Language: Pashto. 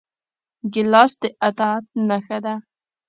ګیلاس د اطاعت نښه ګرځېږي.